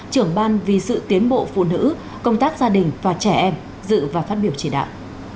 trưởng ban vì sự tiến bộ phụ nữ công tác gia đình và trẻ em dự và phát biểu chỉ đạo